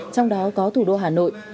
trong đó có thủ đô hà nội